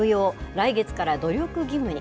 来月から努力義務に。